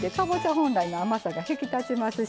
本来の甘さが引き立ちますしね